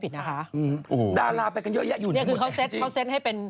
นี่เขาเซตให้เป็น